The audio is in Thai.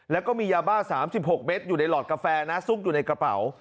แล้วก็มียาบ้า๓๖เมตรอยู่ในหลอดกาแฟนะซุกอยู่ในกระเป๋า